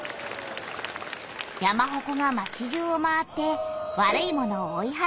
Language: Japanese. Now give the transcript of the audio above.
山ほこが街じゅうを回って悪いものを追いはらうんだ。